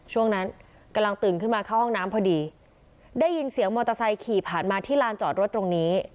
ช่วงนั้นกำลังตื่นขึ้นมาเข้าห้องน้ำพอดีได้ยินเสียงมอเตอร์ไซค์ขี่ผ่านมาที่ลานจอดรถตรงนี้